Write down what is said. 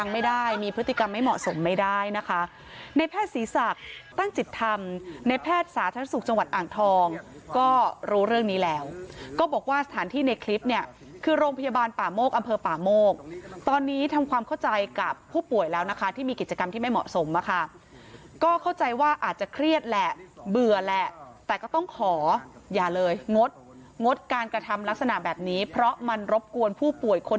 ในแพทย์สาธารณสุขจังหวัดอ่างทองก็รู้เรื่องนี้แล้วก็บอกว่าสถานที่ในคลิปเนี่ยคือโรงพยาบาลป่าโมกอำเภอป่าโมกตอนนี้ทำความเข้าใจกับผู้ป่วยแล้วนะคะที่มีกิจกรรมที่ไม่เหมาะสมนะคะก็เข้าใจว่าอาจจะเครียดแหละเบื่อแหละแต่ก็ต้องขออย่าเลยงดงดการกระทำรักษณะแบบนี้เพราะมันรบกวนผู้